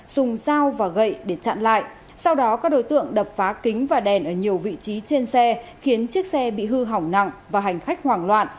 dùng dao và gậy để chặn lại sau đó các đối tượng đập phá kính và đèn ở nhiều vị trí trên xe khiến chiếc xe bị hư hỏng nặng và hành khách hoảng loạn